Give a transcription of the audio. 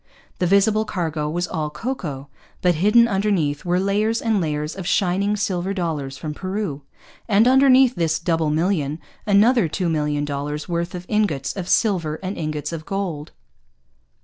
The visible cargo was all cocoa. But hidden underneath were layers and layers of shining silver dollars from Peru; and, underneath this double million, another two million dollars' worth of ingots of silver and ingots of gold.